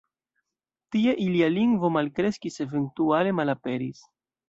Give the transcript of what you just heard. Tie ilia lingvo malkreskis eventuale malaperis.